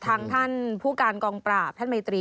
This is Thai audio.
ท่านผู้การกองปราบท่านไมตรี